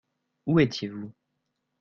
Où étiez-vous ?